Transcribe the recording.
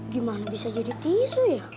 gimana bisa jadi tisu ya